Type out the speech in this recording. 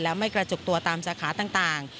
แล้วไม่กระจุกตัวตามสาขาต่าง